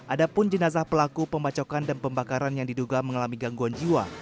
ada pun jenazah pelaku pembacokan dan pembakaran yang diduga mengalami gangguan jiwa